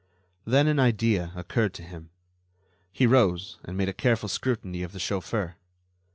Then an idea occurred to him. He rose and made a careful scrutiny of the chauffeur.